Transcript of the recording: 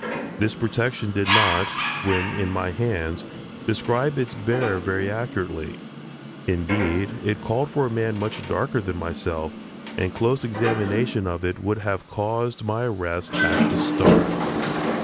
This protection did not, when in my hands, describe its bearer very accurately. Indeed, it called for a man much darker than myself, and close examination of it would have caused my arrest at the start.